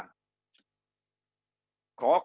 เธอหยิบปากกาหยิบกระดาษมาเขียนข้อความว่า